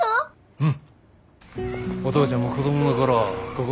うん！